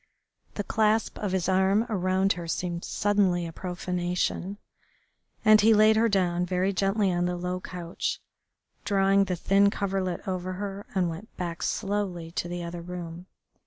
The clasp of his arms around her seemed suddenly a profanation, and he laid her down very gently on the low couch, drawing the thin coverlet over her, and went back slowly to the other room.